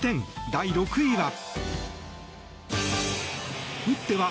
第６位は。